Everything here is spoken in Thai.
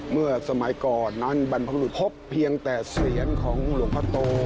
เมื่อสมัยก่อนนั้นบรรพบรุษพบเพียงแต่เสียงของหลวงพ่อโต